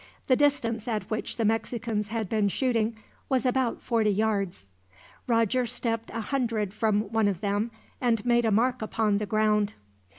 The distance at which the Mexicans had been shooting was about forty yards. Roger stepped a hundred from one of them, and made a mark upon the ground.